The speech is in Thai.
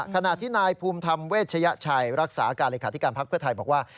ขณะที่นายภูมิธรรมเวชยชัยรักษาการเลขาธิการพักเพื่อไทยบอกว่า